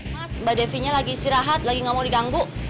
mas mbak devi nya lagi istirahat lagi gak mau diganggu